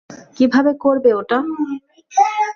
কিভাবে করবে ওটা?